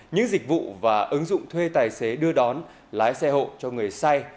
những dịch vụ và ứng dụng thuê tài xế đưa đón lái xe hộ cho người say